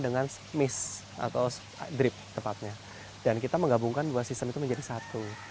dengan miss atau drip tepatnya dan kita menggabungkan dua sistem itu menjadi satu